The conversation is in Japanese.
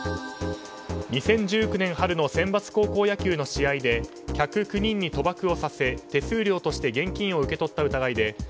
２０１９年春のセンバツ高校野球の試合で客９人に賭博をさせ手数料として現金を受け取った疑いで